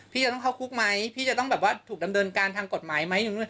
พี่จะต้องเข้าคุกไหมพี่จะต้องแบบว่าถูกดำเนินการทางกฎหมายไหม